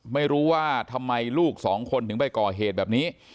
ไม่รู้ว่าทำไมลูกสองคนถึงไปก่อเหตุแบบนี้